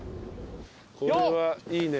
これはいいね。